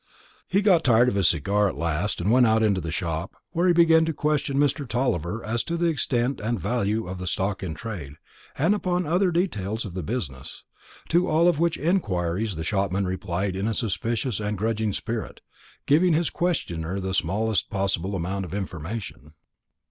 He got tired of his cigar at last, and went out into the shop, where he began to question Mr. Tulliver as to the extent and value of the stock in trade, and upon other details of the business; to all of which inquiries the shopman replied in a suspicious and grudging spirit, giving his questioner the smallest possible amount of information.